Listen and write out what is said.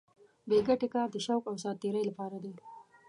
بې ګټې کار د شوق او ساتېرۍ لپاره دی.